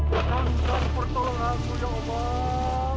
datangkan pertolonganmu ya allah